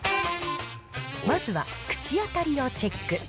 まずは、口当たりをチェック。